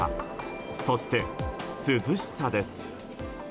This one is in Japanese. そして涼しさです。